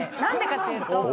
何でかっていうと。